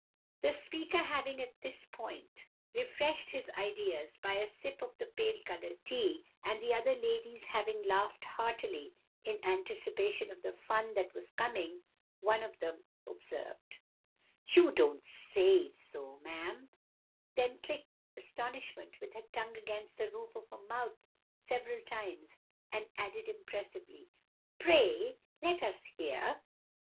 The speaker having at this point refreshed his ideas by a sip of the pale coloured tea, and the other ladies having laughed heartily in anticipation of the fun that was coming, one of them observed:— "You don't say so, ma'am—" then clicked astonishment with her tongue against the roof of her mouth several times, and added impressively, "Pray let us hear!"